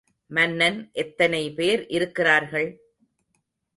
மன்னன் எத்தனை பேர் இருக்கிறார்கள்?